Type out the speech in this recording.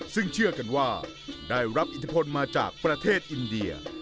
ซึ่งเชื่อกันว่าได้รับอิทธิพลมาจากประเทศอินเดีย